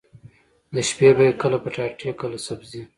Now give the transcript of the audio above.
د شپې به يې کله پټاټې کله سبزي.